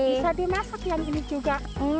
bisa dimasuk yang ini juga